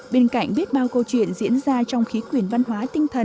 bên cạnh biết bao câu chuyện diễn ra trong khí quyển văn hóa tinh thần